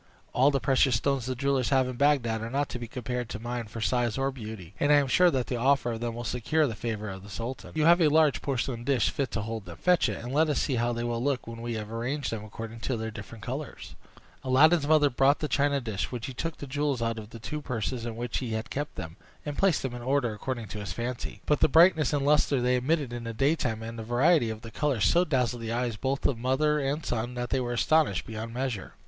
All the precious stones the jewellers have in Bagdad are not to be compared to mine for size or beauty; and I am sure that the offer of them will secure the favor of the sultan. You have a large porcelain dish fit to hold them; fetch it, and let us see how they will look, when we have arranged them according to their different colors." Aladdin's mother brought the china dish, when he took the jewels out of the two purses in which he had kept them, and placed them in order according to his fancy. But the brightness and lustre they emitted in the daytime, and the variety of the colors, so dazzled the eyes both of mother and son that they were astonished beyond measure.